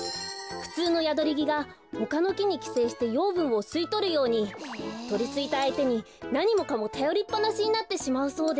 ふつうのヤドリギがほかのきにきせいしてようぶんをすいとるようにとりついたあいてになにもかもたよりっぱなしになってしまうそうです。